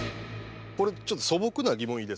これちょっと素朴な疑問いいですか？